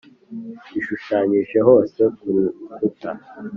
Bishushanyije hose ku rukuta .